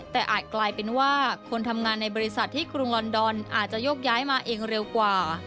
แต่อาจกลายเป็นว่าคนทำงานในบริษัทที่กรุงลอนดอนอาจจะโยกย้ายมาเองเร็วกว่า